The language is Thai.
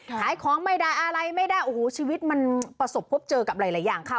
ขายของไม่ได้อะไรไม่ได้โอ้โหชีวิตมันประสบพบเจอกับหลายอย่างค่ะ